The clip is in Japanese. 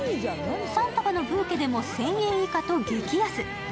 ３束のブーケでおｍ１０００円以下と激安。